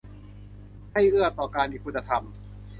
ให้เอื้อต่อการมีคุณธรรม